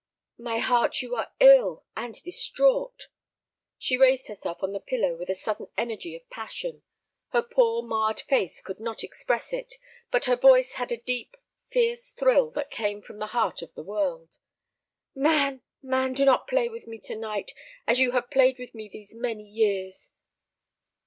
"My heart, you are ill—and distraught." She raised herself on the pillow with a sudden energy of passion; her poor marred face could not express it, but her voice had a deep, fierce thrill that came from the heart of the world. "Man, man, do not play with me to night, as you have played with me these many years!"